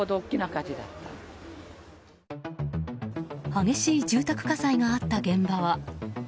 激しい住宅火災があった現場は。